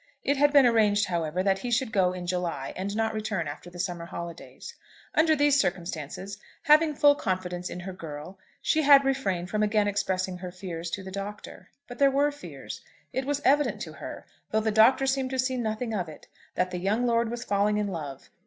It had been arranged, however, that he should go in July and not return after the summer holidays. Under these circumstances, having full confidence in her girl, she had refrained from again expressing her fears to the Doctor. But there were fears. It was evident to her, though the Doctor seemed to see nothing of it, that the young lord was falling in love.